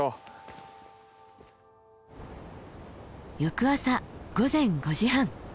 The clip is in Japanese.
翌朝午前５時半。